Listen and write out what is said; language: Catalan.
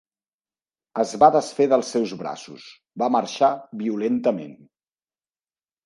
Es va desfer dels seus braços, va marxar violentament.